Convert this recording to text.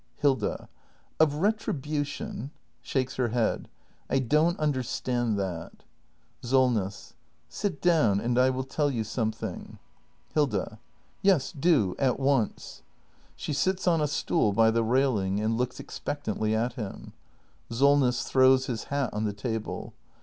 Hilda. Of retribution ? [Shakes her head.] I don't under stand that. Solness. Sit down, and I will tell you something. 422 THE MASTER BUILDER [act hi Hilda. Yes, do! At once! [She sits on a stool by the railing, and looks expec tantly at him. Solness. [Throws his hat on the table